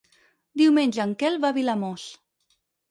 Diumenge en Quel va a Vilamòs.